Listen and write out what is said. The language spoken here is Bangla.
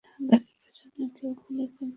গাড়ির পেছনে কেউ গুলি করবে না।